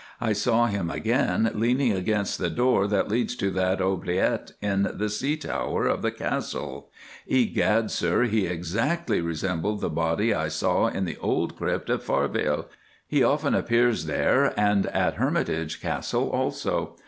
I saw him again leaning against the door that leads to that oubliette in the Sea Tower of the Castle. Egad, sir, he exactly resembled the body I saw in the old crypt at Faarveile. He often appears there, and at Hermitage Castle also.